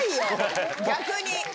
逆に。